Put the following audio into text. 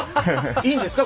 いいんですか？